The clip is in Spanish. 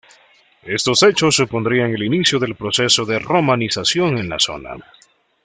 Estos hechos supondrían el inicio del proceso de romanización en la zona.